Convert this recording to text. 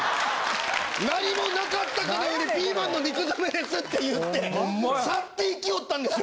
何もなかったかのようにピーマンの肉詰めですって言って去っていきよったんですよ。